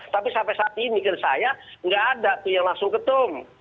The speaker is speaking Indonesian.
tapi sampai saat ini ke saya nggak ada tuh yang langsung ketum